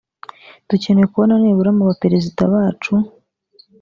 dukeneye kubona nibura mu Baperezida bacu